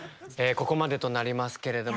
ここまでとなりますけれども。